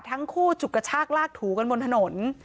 ทั้งคู่จุกกระชากลากถูกันบนถนน